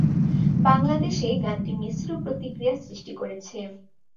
বাংলাদেশে গানটি মিশ্র প্রতিক্রিয়া সৃষ্টি করেছে।